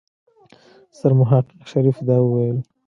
سرمحقق شريف دا وويل.